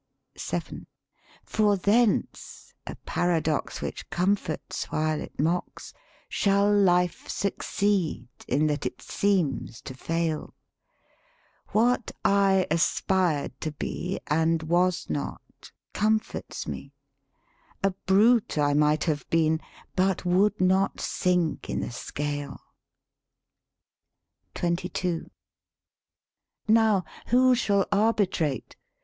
VII For thence a paradox Which comforts while it mocks Shall life succeed in that it seems to fail: What I aspired to be, And was not, comforts me: A brute I might have been, but would not sink i' the scale. DIDACTIC POETRY XXII Now, who shall arbitrate?